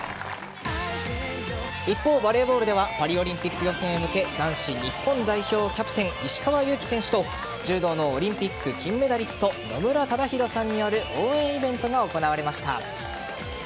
一方、バレーボールではパリオリンピック予選へ向け男子日本代表キャプテン石川祐希選手と柔道のオリンピック金メダリスト野村忠宏さんによる応援イベントが行われました。